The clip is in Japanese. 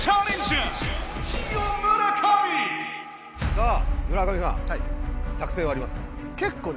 さあ村上さん作戦はありますか？